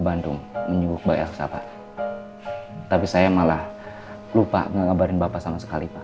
bandung menyuguh bayar kesehatan tapi saya malah lupa menggambarin bapak sama sekali pak